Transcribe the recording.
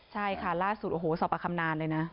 ใช่ค่ะล่าสุดสอบปากคำนานเลยนะ